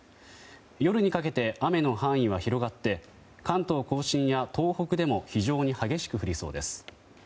夜にかけて、雨の範囲は広がって関東・甲信や東北でも非常に激しく降りそうです。